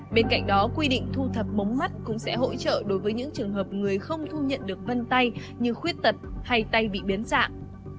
bên cạnh đó quy định thu thập mống mắt cũng sẽ hỗ trợ đối với những trường hợp người không thu nhận được vân tay như khuyết tật hay tay bị biến dạng